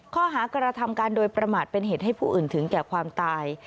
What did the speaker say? ข้อหากระทำการโดยประมาทเป็นเหตุให้ผู้อื่นถึงแก่ความตาย